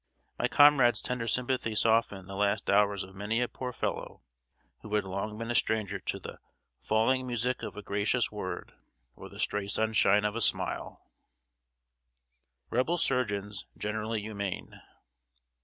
My comrade's tender sympathy softened the last hours of many a poor fellow who had long been a stranger to "The falling music of a gracious word, Or the stray sunshine of a smile." [Sidenote: REBEL SURGEONS GENERALLY HUMANE.